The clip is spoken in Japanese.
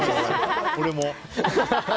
俺も！